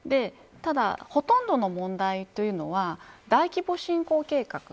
ただ、ほとんどの問題というのは大規模侵攻計画。